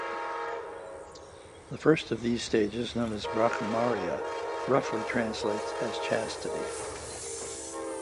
The first of these stages, known as "Brahmacharya," roughly translates as chastity.